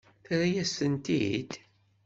Terra-yas-tent-id?